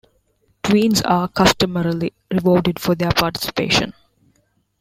Twins are customarily rewarded for their participation.